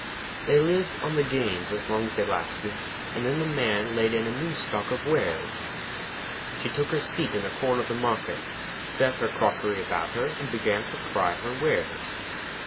They lived on the gains as long as they lasted, and then the Man laid in a new stock of wares. She took her seat in a corner of the market, set out her crockery about her, and began to cry her wares.